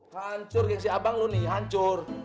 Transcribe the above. hancur gengsi abang lo nih hancur